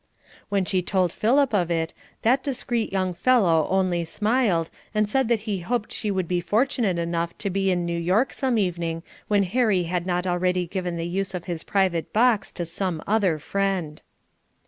When she told Philip of it, that discreet young fellow only smiled, and said that he hoped she would be fortunate enough to be in New York some evening when Harry had not already given the use of his private box to some other friend.